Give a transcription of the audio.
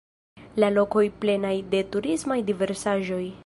La lokoj plenaj de turismaj diversaĵoj.